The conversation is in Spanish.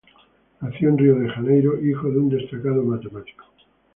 Nació en Río de Janeiro, hijo de un destacado matemático.